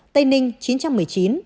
tây ninh chín trăm một mươi chín